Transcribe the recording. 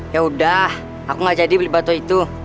ya udah aku gak jadi beli batu itu